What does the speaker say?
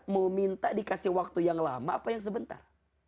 mau minta dikasih waktu yang lama apa yang sebentar